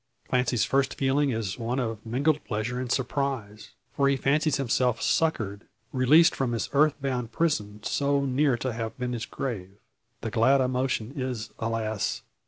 Clancy's first feeling is one of mingled pleasure and surprise. For he fancies himself succoured, released from his earth bound prison, so near to have been his grave. The glad emotion is alas!